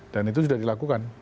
dan itu sudah dilakukan